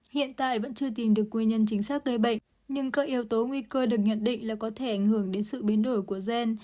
hiện tại vẫn chưa tìm được nguyên nhân chính xác gây bệnh nhưng các yếu tố nguy cơ được nhận định là có thể ảnh hưởng đến sự biến đổi của gen